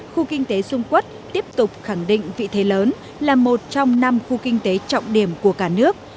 khu kinh tế dung quốc tiếp tục khẳng định vị thế lớn là một trong năm khu kinh tế trọng điểm của cả nước